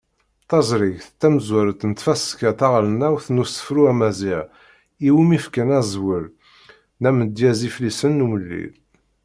Taẓrigt tamezwarut n tfaska taɣelnawt n usefru amaziɣ iwumi fkan azwel n “Amedyez Iflisen Umellil”.